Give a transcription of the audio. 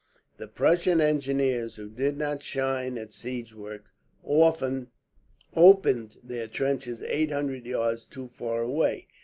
The Prussian engineers, who did not shine at siege work, opened their trenches eight hundred yards too far away.